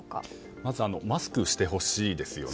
まずマスクしてほしいですよね